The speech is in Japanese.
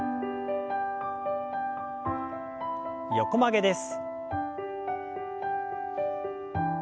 横曲げです。